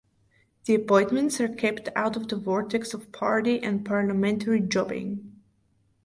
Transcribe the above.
The appointments are kept out of the vortex of party and parliamentary jobbing.